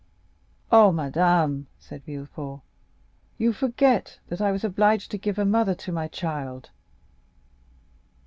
"Ah, madame," said Villefort, "you forget that I was obliged to give a mother to my child."